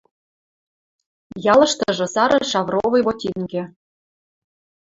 Ялыштыжы сары шавровый ботинкӹ.